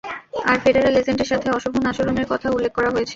আর federal এজেন্টের সাথে অশোভন আচরণের কথাও উল্লেখ করা হয়েছে।